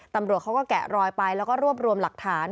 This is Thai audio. ตำรวจเขาก็แกะรอยไปแล้วก็รวบรวมหลักฐาน